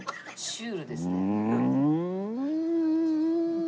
シュールですね。